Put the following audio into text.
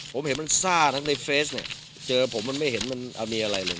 ผมเห็นมันซ่าทั้งในเฟซเนี่ยเจอผมมันไม่เห็นมันมีอะไรเลย